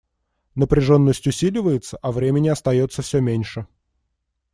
Напряженность усиливается, а времени остается все меньше.